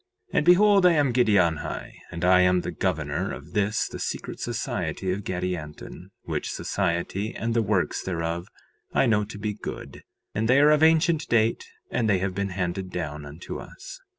3:9 And behold, I am Giddianhi; and I am the governor of this the secret society of Gadianton; which society and the works thereof I know to be good; and they are of ancient date and they have been handed down unto us.